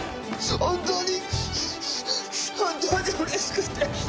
本当に本当にうれしくて！